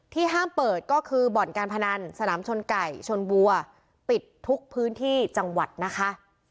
ห้ามเปิดก็คือบ่อนการพนันสนามชนไก่ชนวัวปิดทุกพื้นที่จังหวัดนะคะ